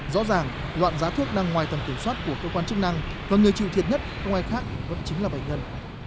rõ ràng loạn giá thuốc đang ngoài tầm kiểm soát của cơ quan chức năng và người chịu thiệt nhất không ai khác vẫn chính là bệnh nhân